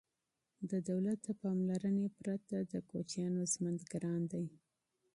د دولت د پاملرنې پرته د کوچیانو ژوند سخت دی.